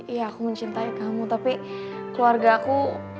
iya aku mencintai kamu tapi keluarga aku